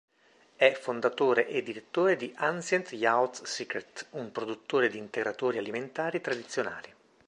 È fondatore e direttore di Ancient Youth Secret, un produttore di integratori alimentari tradizionali.